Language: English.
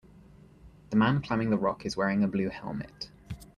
The man climbing the rock is wearing a blue helmet.